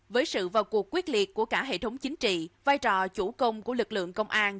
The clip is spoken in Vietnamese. với sự vào cuộc quyết liệt của cả hệ thống chính trị vai trò chủ công của lực lượng công an